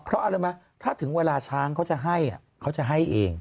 เพราะอะไรไหมถ้าถึงเวลาช้างเขาจะให้เขาจะให้เอง